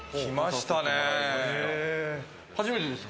初めてですか？